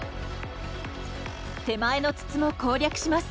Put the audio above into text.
手前の筒も攻略します。